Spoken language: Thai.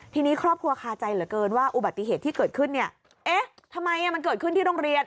ทีนี้ครอบครัวคาใจเหลือเกินว่าอุบัติเหตุที่เกิดขึ้นเนี่ยเอ๊ะทำไมมันเกิดขึ้นที่โรงเรียน